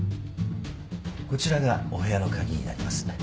こちらがお部屋の鍵になります